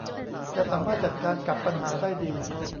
จะสามารถจัดการกับปัญหาได้ดี